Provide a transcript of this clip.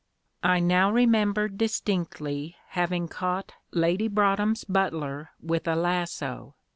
I now remembered distinctly having caught Lady Broadhem's butler with a lasso.